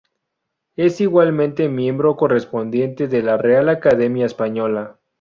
Es igualmente miembro correspondiente de la Real Academia Española.